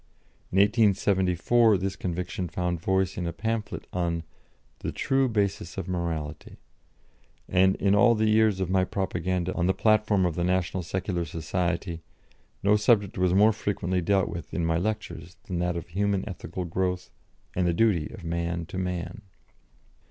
In 1874 this conviction found voice in a pamphlet on the "True Basis of Morality," and in all the years of my propaganda on the platform of the National Secular Society no subject was more frequently dealt with in my lectures than that of human ethical growth and the duty of man to man.